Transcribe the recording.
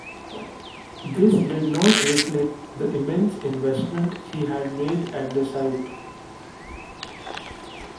This did not reflect the immense investment he had made at the site.